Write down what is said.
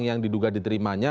yang diduga diterimanya